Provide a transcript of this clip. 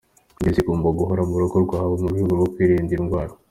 Indyo yuzuye igomba guhora mu rugo rwawe mu rwego rwo kwirinda iyi ndwara.